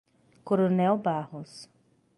Coronel Barros